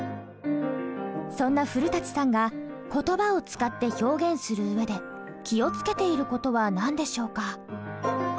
そんな古さんが言葉を使って表現する上で気を付けている事は何でしょうか？